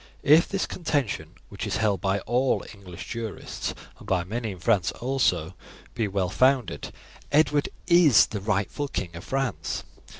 If this contention, which is held by all English jurists, and by many in France also, be well founded, Edward is the rightful King of France.